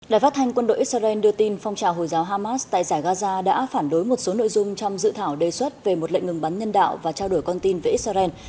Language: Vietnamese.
đài phát thanh quân đội israel đưa tin phong trào hồi giáo hamas tại giải gaza đã phản đối một số nội dung trong dự thảo đề xuất về một lệnh ngừng bắn nhân đạo và trao đổi con tin với israel